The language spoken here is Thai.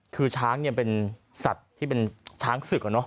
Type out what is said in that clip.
คือช้างเนี่ยเป็นสัตว์ที่เป็นช้างศึก